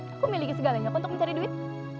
aku miliki segalanya untuk mencari duit